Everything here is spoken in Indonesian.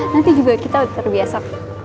nanti juga kita terbiasa